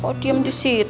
kok diem di situ